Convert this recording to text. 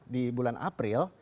di bulan april